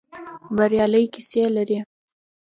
بریالۍ کيسې لري.